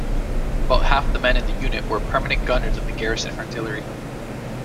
About half the men in the unit were permanent gunners of the Garrison Artillery.